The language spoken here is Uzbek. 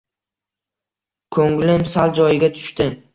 Ko‘nglim sal joyiga tushdi.